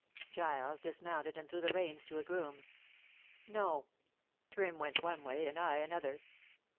Giles dismounted and threw the reins to a groom. "No. Trim went one way and I another.